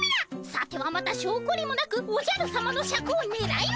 さてはまたしょうこりもなくおじゃるさまのシャクをねらいおるのか！